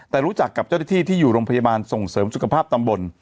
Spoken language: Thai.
แต่รู้จักกับเจ้าหน้าที่ที่อยู่โรงพยาบาลส่งเสริมสุขภาพตำบล